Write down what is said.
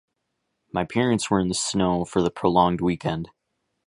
My parents were in the snow for the prolonged weekend.